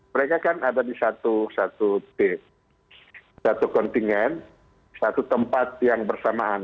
mereka kan ada di satu kontingen satu tempat yang bersamaan